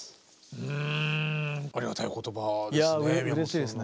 うんありがたいお言葉ですね。